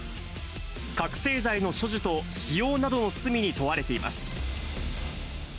覚醒剤の所持と使用などの罪に問われています。